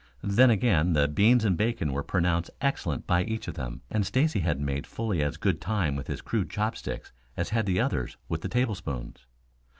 Then, again, the beans and bacon were pronounced excellent by each of them, and Stacy had made fully as good time with his crude chopsticks as had the others with the tablespoons.